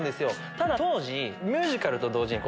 ただ当時。